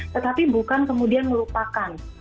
tetapi bukan kemudian melupakan